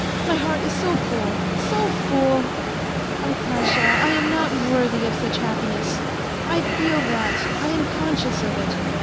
My heart is so full, so full ! Arkasha, I am not worthy of such happiness. I feel that, I am conscious of it.